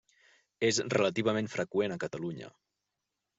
És relativament freqüent a Catalunya.